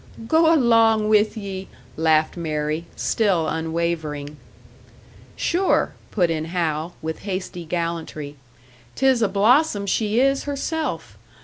"Go along with ye!" laughed Mary, still unwavering. "Sure," put in Hal, with hasty gallantry, "'tis a blossom she is herself!